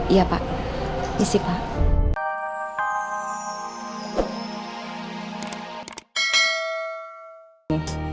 iya pak isik lah